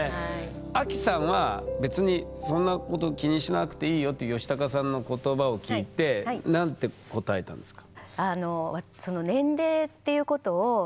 アキさんは別にそんなこと気にしなくていいよっていうヨシタカさんの言葉を聞いて何て答えたんですか？